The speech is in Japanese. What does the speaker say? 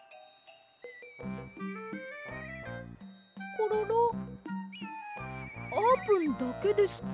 コロロあーぷんだけですか？